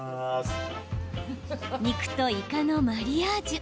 肉と、いかのマリアージュ。